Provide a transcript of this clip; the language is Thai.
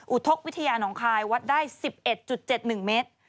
อุทธกวิทยาน้องคายวัดได้๑๑๗๑เมตร